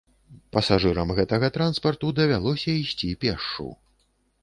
Пасажырам гэтага транспарту давялося ісці пешшу.